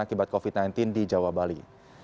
akibat covid sembilan belas di jawa bali